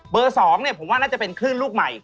๒ผมว่าน่าจะเป็นคลื่นลูกใหม่